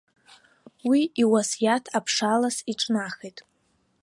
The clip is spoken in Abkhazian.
Уи иуасиаҭ аԥшалас иҿнахит.